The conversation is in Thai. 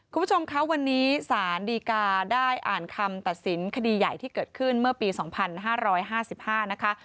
คุณผู้ชมคะวันนี้สารดีกาได้อ่านคำตัดสินคดีใหญ่ที่เกิดขึ้นเมื่อปี๒๕๕๕นะคะ